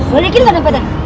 balikin ke dompet